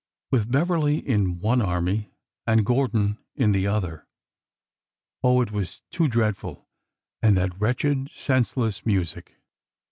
— with Beverly in one army and Gordon in the other. Oh ! it was too dread ful ! And that wretched, senseless music